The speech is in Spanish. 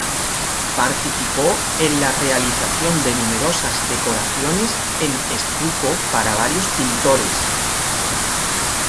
Participó en la realización de numerosas decoraciones en estuco para varios pintores.